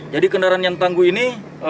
jadi kendaraan yang tangguh ini